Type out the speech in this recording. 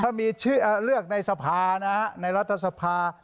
ถ้ามีชื่อเลือกในสภานะฮะในรัฐสภา